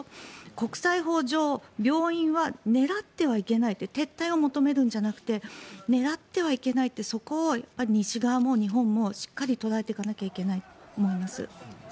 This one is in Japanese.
国際法上、病院は狙ってはいけない撤退を求めるんじゃなくて狙ってはいけないというそこは西側も日本もしっかり捉えていかなきゃいけないと思います。